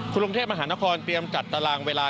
กรุงเทพมหานครเตรียมจัดตารางเวลา